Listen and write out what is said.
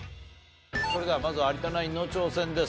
それではまずは有田ナインの挑戦です。